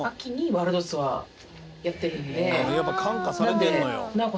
「やっぱ感化されてるのよ」